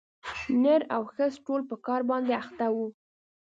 نر او ښځي ټول په کار باندي اخته وه